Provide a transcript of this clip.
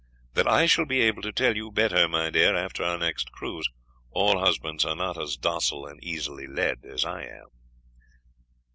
"That I shall be able to tell you better, my dear, after our next cruise. All husbands are not as docile and easily led as I am."